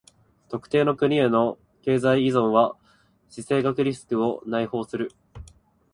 特定の国への経済依存は地政学リスクを内包する。